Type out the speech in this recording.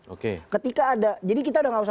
oke jadi kita sudah tidak usah